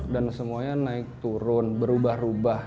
dan semuanya naik turun berubah rubah